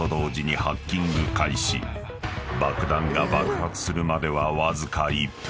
［爆弾が爆発するまではわずか１分］